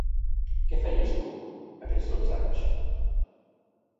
Què feies tu, aquells dotze anys?